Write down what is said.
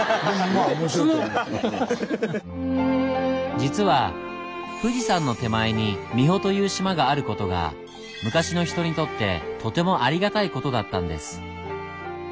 実は富士山の手前に三保という島がある事が昔の人にとってとてもありがたい事だったんです。